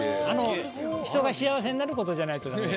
人が幸せになることじゃないと駄目だよ。